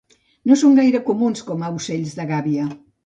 No són gaire comuns com a ocells de gàbia.